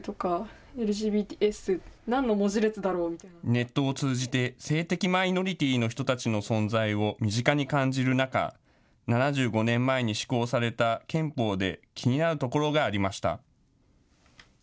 ネットを通じて性的マイノリティーの人たちの存在を身近に感じる中、７５年前に施行された憲法で気になるところがありました。